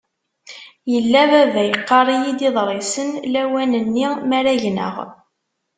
Yella baba yeqqar-iyi-d iḍrisen lawan-nni mara gneɣ.